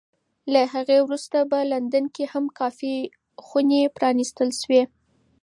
له هغې وروسته په لندن کې هم کافي خونې پرانېستل شوې.